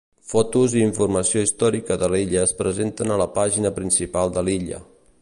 Fotos i informació històrica de l'illa es presenten a la pàgina principal de l'illa.